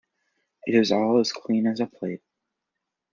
It is all as clean as a plate.